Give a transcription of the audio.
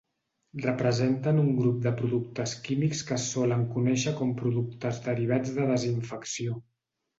Representen un grup de productes químics que es solen conèixer com productes derivats de desinfecció.